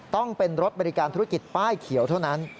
ต้องเป็นรถบริการธุรกิจป้ายเขียวเท่านั้น